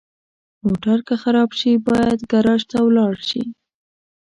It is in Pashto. موټر که خراب شي، باید ګراج ته ولاړ شي.